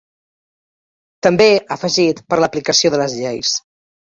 També, ha afegit, per l'aplicació de les lleis.